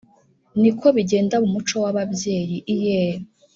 Niko bigenda mu muco w’ababyeyiii, iyeee